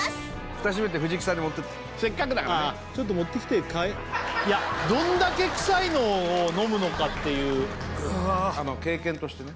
蓋閉めて藤木さんに持ってってせっかくだからねちょっと持ってきて嗅いいやどんだけ臭いのを飲むのかっていう経験としてね